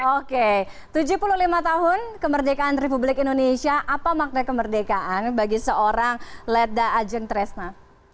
oke tujuh puluh lima tahun kemerdekaan republik indonesia apa makna kemerdekaan bagi seorang ledda ajeng tresna